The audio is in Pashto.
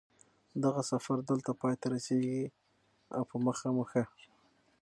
دغه سفر دلته پای ته رسېږي او په مخه مو ښه